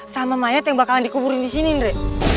sama mayat yang bakalan dikuburin disini ndre